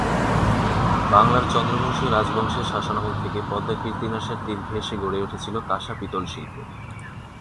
বাংলার চন্দ্র বংশীয় রাজবংশের শাসনামল থেকে পদ্মা-কীর্তিনাশার তীর ঘেঁষে গড়ে উঠেছিল কাঁসা-পিতল শিল্প।